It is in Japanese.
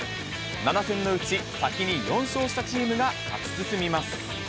７戦のうち先に４勝したチームが勝ち進みます。